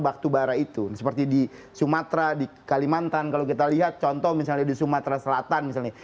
batu bara itu seperti di sumatera di kalimantan kalau kita lihat contoh misalnya di sumatera selatan misalnya